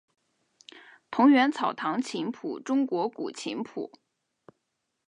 桐园草堂琴谱中国古琴谱。